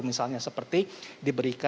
misalnya seperti diberikan